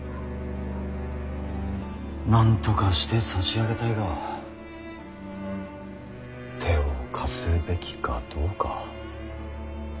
なんとかしてさしあげたいが手を貸すべきかどうか。